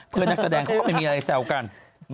นักแสดงเขาก็ไม่มีอะไรแซวกัน